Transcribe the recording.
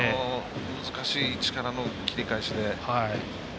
難しい位置からの切り返しで。